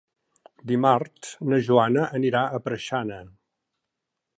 Dimarts na Joana anirà a Preixana.